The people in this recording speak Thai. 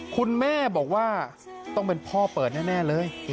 คุณแม่บอกว่าต้องเป็นพ่อเปิดแน่เลย